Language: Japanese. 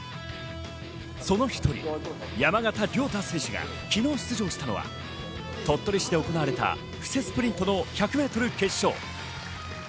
その一人、山縣亮太選手が昨日出場したのは鳥取市で行われた、布勢スプリントの１００ｍ決勝。